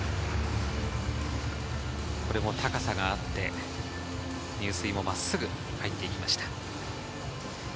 これも高さがあって、入水も真っすぐ入っていきました。